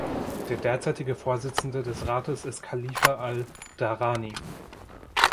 Der derzeitige Vorsitzende des Rates ist Khalifa Al Dhahrani.